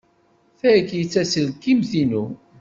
Tagi d taselkimt-inu.